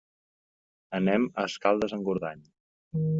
Anem a Escaldes-Engordany.